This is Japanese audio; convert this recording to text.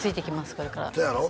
これからそうやろ？